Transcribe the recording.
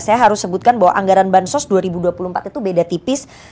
saya harus sebutkan bahwa anggaran bansos dua ribu dua puluh empat itu beda tipis